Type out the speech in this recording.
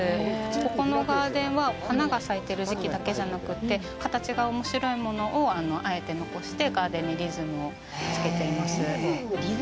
ここのガーデンはお花が咲いてる時期だけじゃなくて形がおもしろいものをあえて残してガーデンにリズムをつけています。